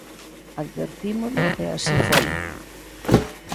Advertímolo e así foi.